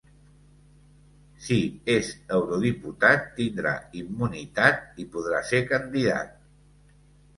Si és eurodiputat tindrà immunitat i podrà ser candidat.